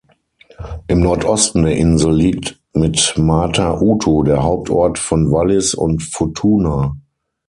Im Nordosten der Insel liegt mit Mata-Utu der Hauptort von Wallis und Futuna.